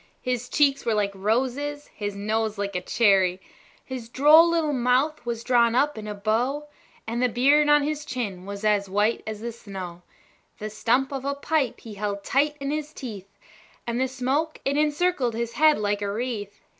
His cheeks were like roses, his nose like a cherry; His droll little mouth was drawn up like a bow, And the beard on his chin was as white as the snow; The stump of a pipe he held tight in his teeth, And the smoke, it encircled his head like a wreath.